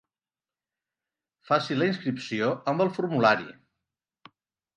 Faci la inscripció amb el formulari.